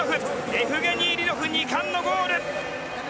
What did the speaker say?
エフゲニー・リロフ２冠のゴール！